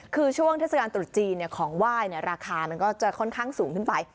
คือช่วงเทศกาลตรุษจีนของไหว้ราคามันก็จะค่อนข้างสูงขึ้นไป